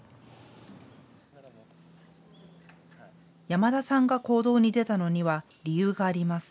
山田さんが行動に出たのには理由があります。